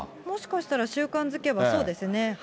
もしかしたら習慣づけばそうですね。